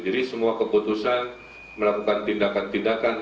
jadi semua keputusan melakukan tindakan tindakan